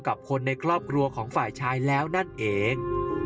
กับคนในครอบครัวของฝ่ายชายแล้วนั่นเอง